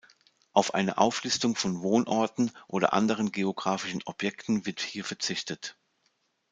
Auf eine Auflistung von Wohnorten oder anderen geographischen Objekten wird hier verzichtet.